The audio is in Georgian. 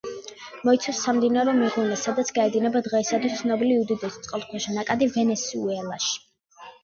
მოიცავს სამდინარო მღვიმეს, სადაც გაედინება დღესიათვის ცნობილი უდიდესი წყალქვეშა ნაკადი ვენესუელაში.